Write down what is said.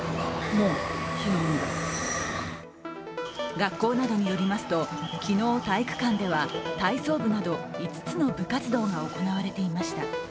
学校などによりますと昨日体育館では体操部など５つの部活動が行われていました。